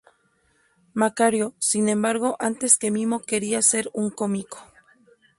Macario, sin embargo, antes que mimo quería ser un cómico.